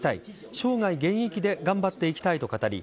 生涯現役で頑張っていきたいと語り